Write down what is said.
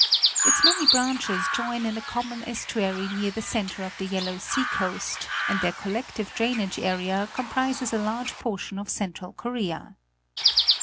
Its many branches join in a com mon estuary near the centre of the Yellow Sea coast, and their collective drainage area comprises a large portion of central Korea.